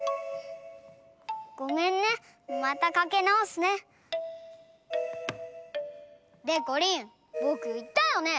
ごめんねまたかけなおすね。でこりんぼくいったよね？